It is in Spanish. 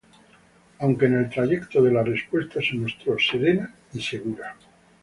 Aunque en el trayecto de la respuesta se mostró serena y segura.